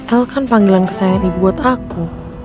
el kan panggilan kesayangan ibu buat aku